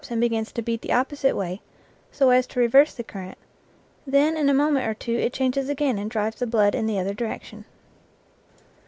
and begins to beat the opposite way, so as to reverse the current; then in a moment or two it changes again and drives the blood in the other direction.